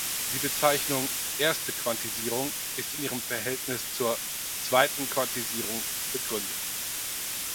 Die Bezeichnung "erste Quantisierung" ist in ihrem Verhältnis zur "zweiten Quantisierung" begründet.